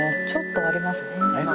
ちょっとありますね。